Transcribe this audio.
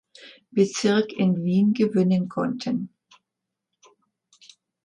Bezirk in Wien gewinnen konnten.